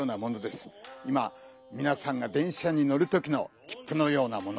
今みなさんが電車にのる時のきっぷのようなもの。